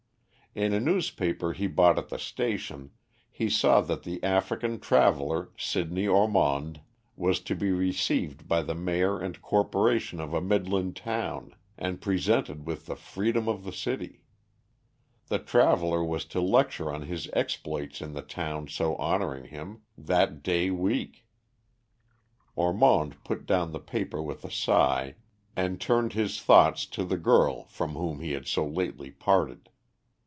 In a newspaper he bought at the station, he saw that the African traveller, Sidney Ormond, was to be received by the Mayor and Corporation of a Midland town, and presented with the freedom of the city. The traveller was to lecture on his exploits in the town so honouring him, that day week. Ormond put down the paper with a sigh, and turned his thoughts to the girl from whom he had so lately parted.